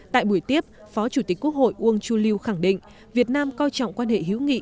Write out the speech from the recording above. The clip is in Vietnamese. tại buổi tiếp phó chủ tịch quốc hội uông chu lưu khẳng định việt nam coi trọng quan hệ hữu nghị